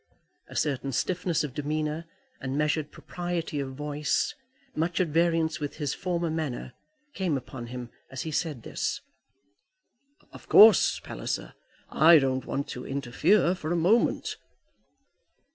A certain stiffness of demeanour, and measured propriety of voice, much at variance with his former manner, came upon him as he said this. "Of course, Palliser, I don't want to interfere for a moment."